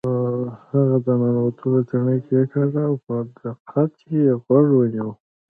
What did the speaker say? هغه د ننوتلو تڼۍ کیکاږله او په دقت یې غوږ ونیو